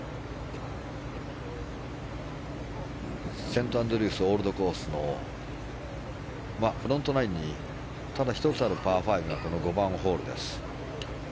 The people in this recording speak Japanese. セントアンドリュースオールドコースのフロントナインにただ１つあるパー５がこの５番ホールです。